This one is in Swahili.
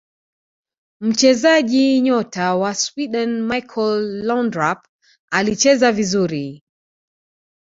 mchezaji nyota wa sweden michael laundrap alicheza vizuri